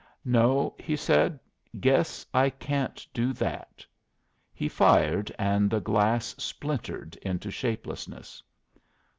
"No," he said. "Guess I can't do that." He fired, and the glass splintered into shapelessness.